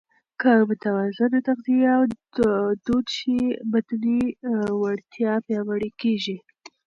که متوازنه تغذیه دود شي، بدني وړتیا پیاوړې کېږي.